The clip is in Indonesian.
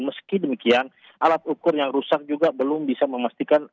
meski demikian alat ukur yang rusak juga belum bisa memastikan